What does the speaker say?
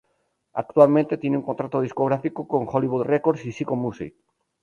Actualmente tiene un contrato discográfico con Hollywood Records y Syco Music.